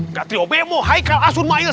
nggak terima bemo haikal asun mail